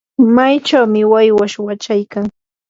machaychawmi waywash wachaykan.